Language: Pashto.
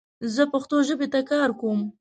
زه پښتو ژبې ته کار کوم